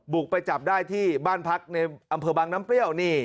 บุกไปจับได้ที่บ้านพักในอำเภอบางน้ำเปรี้ยวนี่